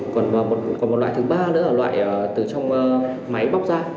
còn một loại thứ ba nữa là loại từ trong máy bóc ra